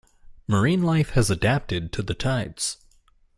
Marine life has adapted to tides.